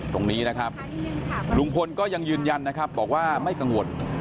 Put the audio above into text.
ตรงนี้นะครับลุงพลก็ยังยืนยันนะครับบอกว่าไม่กังวล